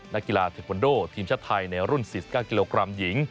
นักกีฬาเทควันโดทีมชาติไทยในรุ่น๔๙กิโลกรัมหญิง